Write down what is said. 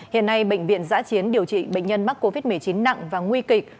hiện nay bệnh viện giã chiến điều trị bệnh nhân mắc covid một mươi chín nặng và nguy kịch